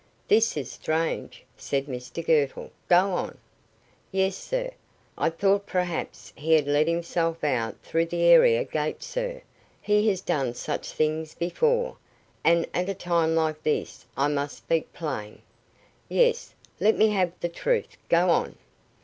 "This is strange," said Mr Girtle. "Go on." "Yes, sir. I thought perhaps he had let himself out through the area gate, sir. He has done such things before, and at a time like this I must speak plain." "Yes. Let me have the truth. Go on."